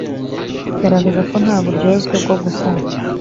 Kigaragaza ko nta buryozwe bwo gusana